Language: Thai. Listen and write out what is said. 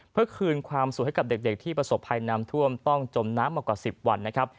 เพื่อคืนความสุขให้กับเด็กที่ประสบภัยน้ำท่วมต้องจมน้ำมากว่า๑๐วันนะครับ